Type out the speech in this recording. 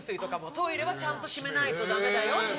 トイレはちゃんと閉めないとダメだよって。